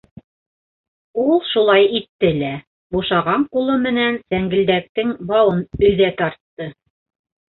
Ул шулай итте лә: бушаған ҡулы менән сәңгелдәктең бауын өҙә тартты.